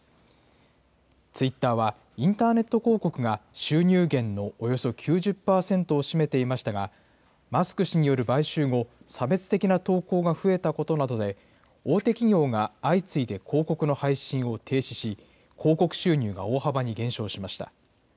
ツイッターは、インターネット広告が収入源のおよそ９０％を占めていましたが、マスク氏による買収後、差別的な投稿が増えたことなどで、大手企業が相次いで広告の配信を停止し、広告収入が大幅に減少しました。